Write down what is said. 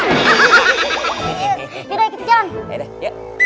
yaudah yuk kita jalan